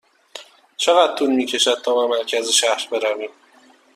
چقدر طول می کشد تا به مرکز شهر برویم؟